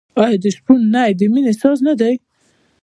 آیا د شپون نی د مینې ساز نه دی؟